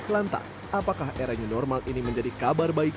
lantas apakah era new normal ini menjadi kabar baik